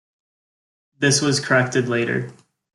This was corrected later.